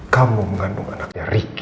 kamu mengandung anaknya ricky